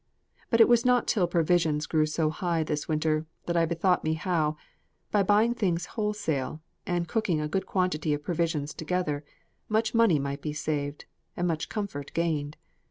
But it was not till provisions grew so high this winter that I bethought me how, by buying things wholesale, and cooking a good quantity of provisions together, much money might be saved, and much comfort gained.